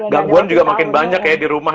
gangguan juga makin banyak ya di rumah